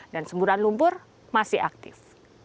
semburan lumpur masih aktif